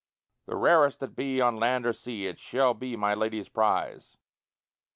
The rarest that be on land or sea It shall be my lady's prize."